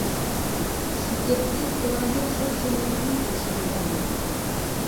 Шукертсек тыланет шокшо мелнам пукшен омыл.